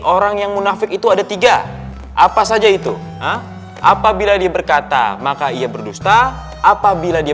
orang yang munafik itu ada tiga apa saja itu apabila dia berkata maka ia berdusta apabila dia